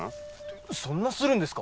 えっそんなするんですか？